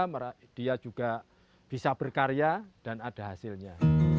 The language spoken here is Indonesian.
dia juga bisa berkarya dan ada hasilnya